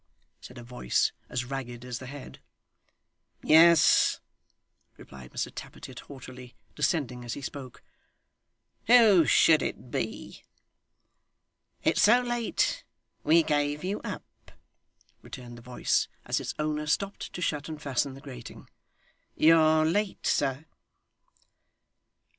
said a voice as ragged as the head. 'Yes,' replied Mr Tappertit haughtily, descending as he spoke, 'who should it be?' 'It's so late, we gave you up,' returned the voice, as its owner stopped to shut and fasten the grating. 'You're late, sir.